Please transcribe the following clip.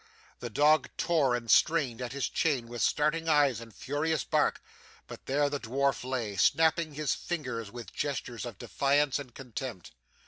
The dog tore and strained at his chain with starting eyes and furious bark, but there the dwarf lay, snapping his fingers with gestures of defiance and contempt.